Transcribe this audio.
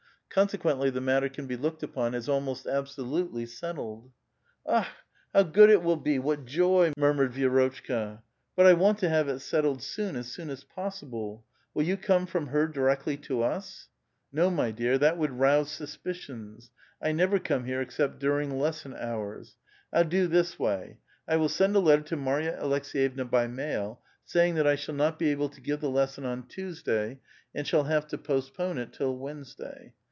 Consequently, the matter can be looked upon as almost absolutely settled." " Akh! how good it will be ! what joy !" murmured Vi6 rotchka. '^ But I want to have it settled soon, as soon as possible ! Will you come from her du'ectly to us ?"*' No, my dear; that would rouse suspicions. I never come here except during lesson hours. TU do this way. I will send a letter to Marya Aleks^yevna by mail, saying that I shall not be able to give the lesson on Tuesday, and shall have to postpone it till Wednesday.